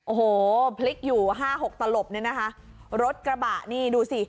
โอ้โหพลิกอยู่ห้าหกตลบเนี่ยนะคะรถกระบะนี่ดูสิ